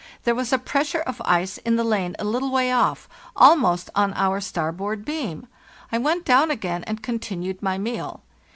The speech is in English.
There was a pressure of ice in the lane a little way off, almost on our starboard beam. I went down again, and con tinued my meal.